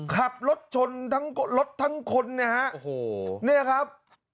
ขับรถชนรถทั้งคนเนี่ยฮะเนี่ยครับ